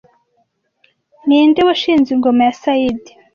ninde washinze ingoma ya Sayyid